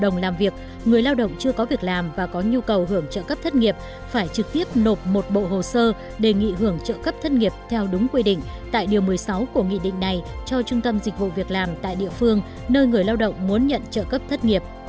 người lao động chưa có việc làm và có nhu cầu hưởng trợ cấp thất nghiệp phải trực tiếp nộp một bộ hồ sơ đề nghị hưởng trợ cấp thất nghiệp theo đúng quy định tại điều một mươi sáu của nghị định này cho trung tâm dịch vụ việc làm tại địa phương nơi người lao động muốn nhận trợ cấp thất nghiệp